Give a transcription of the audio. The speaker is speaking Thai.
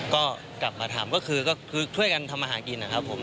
ก็กลับมาทำก็คือช่วยกันทำอาหารกินนะครับผม